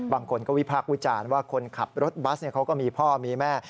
บางคนก็วิพากษ์วิจารณ์ว่าคนขับรถบัสเขาก็มีพ่อมีแม่